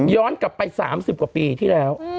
กลับไป๓๐กว่าปีที่แล้ว